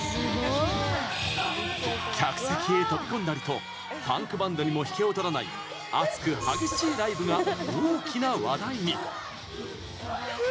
客席へ飛び込んだりとパンクバンドにも引けを取らない熱く激しいライブが大きな話題に。